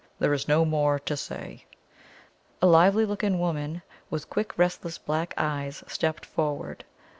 There is no more to say." A lively looking woman with quick restless black eyes stepped forward.